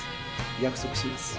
約束します。